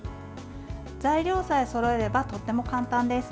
材料さえそろえればとっても簡単です。